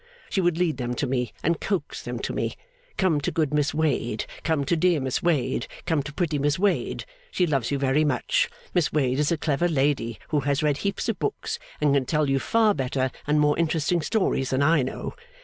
She would lead them to me and coax them to me. 'Come to good Miss Wade, come to dear Miss Wade, come to pretty Miss Wade. She loves you very much. Miss Wade is a clever lady, who has read heaps of books, and can tell you far better and more interesting stories than I know.